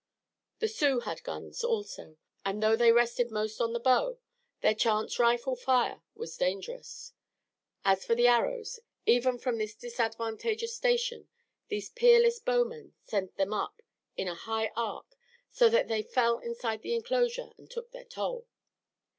The Sioux had guns also, and though they rested most on the bow, their chance rifle fire was dangerous. As for the arrows, even from this disadvantageous station these peerless bowmen sent them up in a high arc so that they fell inside the inclosure and took their toll.